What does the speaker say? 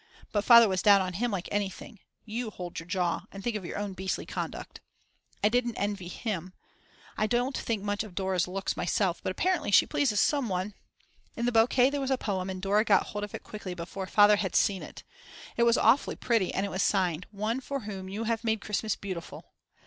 But Father was down on him like anything, "You hold your jaw and think of your own beastly conduct." I didn't envy him; I don't think much of Dora's looks myself, but apparently she pleases someone. In the bouquet there was a poem and Dora got hold of it quickly before Father had seen it. It was awfully pretty, and it was signed: One for whom you have made Christmas beautiful!